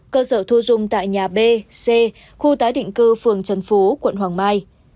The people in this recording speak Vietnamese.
cơ sở thu dung tại nhà b c khu tái định cư phường trần phú quận hoàng mai